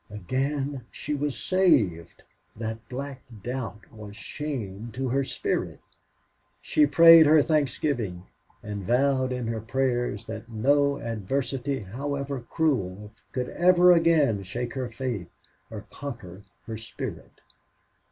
Again she was saved! That black doubt was shame to her spirit. She prayed her thanksgiving, and vowed in her prayers that no adversity, however cruel, could ever again shake her faith or conquer her spirit.